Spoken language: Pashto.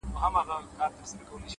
زه به په فکر وم، چي څنگه مو سميږي ژوند،